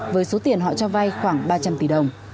với số tiền họ cho vay khoảng ba trăm linh tỷ đồng